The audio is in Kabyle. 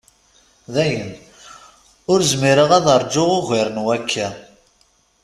Dayen, ur zmireɣ ad rjuɣ ugar n wakka.